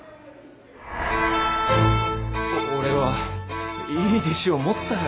俺はいい弟子を持ったよ